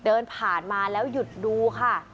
เดินผ่านมาแล้วหยุดดูค่ะ